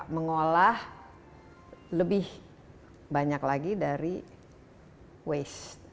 mengolah lebih banyak lagi dari waste